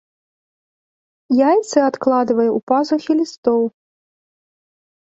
Яйцы адкладвае ў пазухі лістоў.